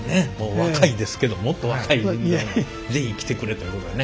若いですけどもっと若い人材に是非来てくれということでね。